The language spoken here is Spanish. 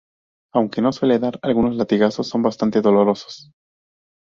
Aunque no suele dar, algunos latigazos son bastante dolorosos.